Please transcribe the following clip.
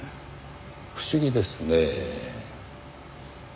不思議ですねぇ。